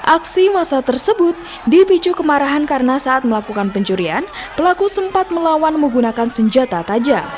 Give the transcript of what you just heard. aksi masa tersebut dipicu kemarahan karena saat melakukan pencurian pelaku sempat melawan menggunakan senjata tajam